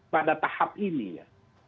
pada tahap ini ya